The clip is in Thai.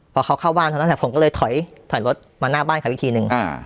พอเขาเข้าบ้านเท่านั้นแหละผมก็เลยถอยถอยรถมาหน้าบ้านเขาอีกทีนึง